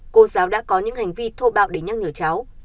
cô giáo đã có những hành vi thô bạo để nhắc nhở cháu